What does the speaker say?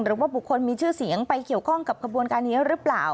หรือว่าบุคคลมีชื่อเสียงไปเกี่ยวข้องกับขบวนการนี้หรือเปล่า